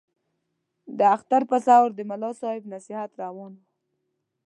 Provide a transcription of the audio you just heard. د اختر په سهار د ملا صاحب نصیحت روان وو.